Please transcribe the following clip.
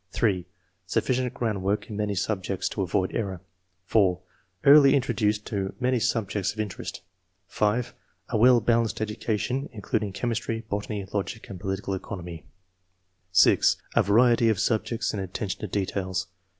(3) " Sufficient groundwork in many subjects to avoid error/' (4) "Early introduced to many subjects of interest." (5) "A well balanced education [including chemistry, botany, logic, and political economy]." (6) "^A variety of subjects and attention to details.